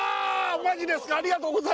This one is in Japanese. マジですか？